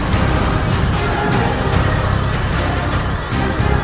kau tidak bisa menang